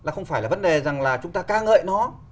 không phải là vấn đề rằng chúng ta ca ngợi nó